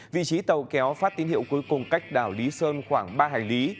vị trí tàu kéo phát tín hiệu cuối cùng cách đảo lý sơn khoảng ba hải lý